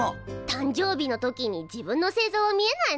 誕生日の時に自分の星座は見えないのよね。